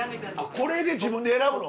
これで自分で選ぶの？